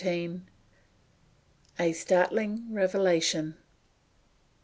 A STARTLING REVELATION.